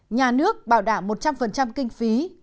nhà nước bảo đảm một trăm linh kinh phí